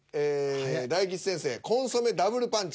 大吉先生「コンソメＷパンチ」。